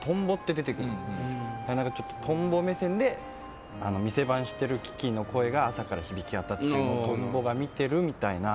なんかちょっとトンボ目線で店番してるキキの声が朝から響き渡ってるのをトンボが見てるみたいな。